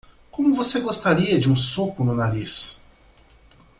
Como você gostaria de um soco no nariz?